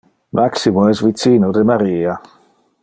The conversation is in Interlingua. Maximo es vicino de Maria.